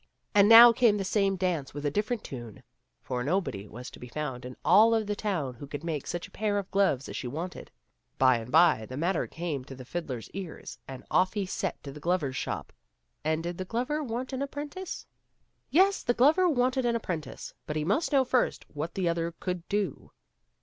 And now came the same dance with a diifereot tune, for nobody was to be found in all of the town who could make such a pair of gloves as she wanted. By and by the matter came to the fiddler's ears, and off he set to the glover's shop. And did the glover want an apprentice ? Yes, the glover wanted an apprentice, but he must know first what the other could do.